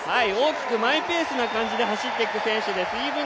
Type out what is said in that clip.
大きくマイペースな感じで走っていく選手です。